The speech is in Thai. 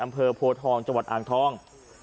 อำเภอพวทองจวดอางทอง